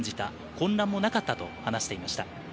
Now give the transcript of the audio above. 混乱もなかったと話していました。